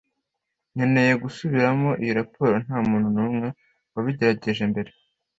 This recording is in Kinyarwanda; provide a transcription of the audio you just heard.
Nkeneye gusubiramo iyi raporo Nta muntu numwe wabigerageje mbere